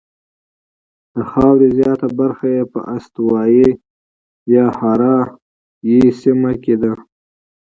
د خاورې زیاته برخه یې په استوایي یا حاره یې سیمه کې ده.